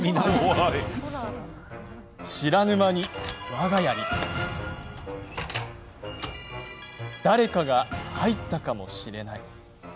知らぬ間に、わが家に誰かが入ったかもしれない。